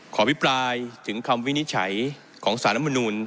อภิปรายถึงคำวินิจฉัยของสารมนูล